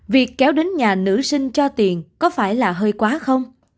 việc kéo đến nhà nữ sinh cho tiền có phải là hơi quá không